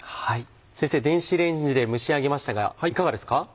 先生電子レンジで蒸し上げましたがいかがですか？